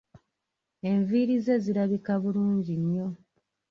Enviiri ze zirabika bulungi nnyo.